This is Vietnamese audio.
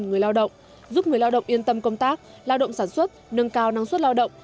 người lao động giúp người lao động yên tâm công tác lao động sản xuất nâng cao năng suất lao động